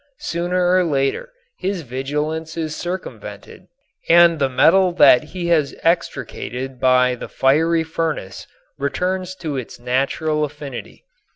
Sooner or later his vigilance is circumvented and the metal that he has extricated by the fiery furnace returns to its natural affinity.